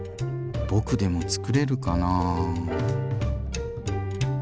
僕でもつくれるかなぁ？